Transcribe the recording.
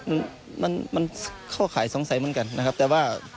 อื้มมันมันค่าวไขสังสัยเหมือนกันนะครับแต่ว่า